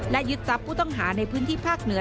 และยึดทรัพย์ผู้ต้องหาในพื้นที่ภาคเหนือ